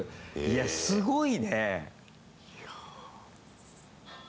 いや、すごいね！